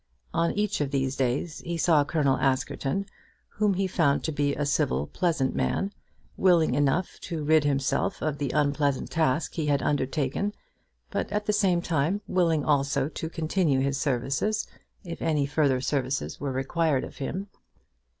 On each of these days he saw Colonel Askerton, whom he found to be a civil pleasant man, willing enough to rid himself of the unpleasant task he had undertaken, but at the same time, willing also to continue his services if any further services were required of him.